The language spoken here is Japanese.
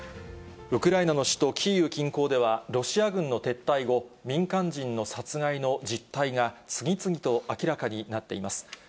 ウクライナの首都キーウ近郊では、ロシア軍の撤退後、民間人の殺害の実態が次々と明らかになっています。